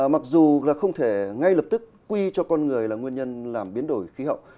mặc dù là không thể ngay lập tức quy cho con người là nguyên nhân làm biến đổi khí hậu